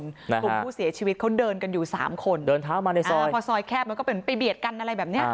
กลุ่มผู้เสียชีวิตเขาเดินกันอยู่สามคนเดินเท้ามาในซอยพอซอยแคบมันก็เป็นไปเบียดกันอะไรแบบเนี้ย